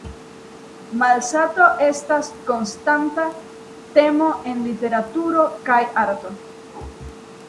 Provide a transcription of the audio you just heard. Malsato estas konstanta temo en literaturo kaj arto.